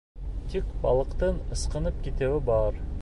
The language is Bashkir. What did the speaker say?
Тик балыҡтың ысҡынып китеүе бар.